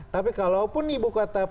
tapi kalau pun ibu kota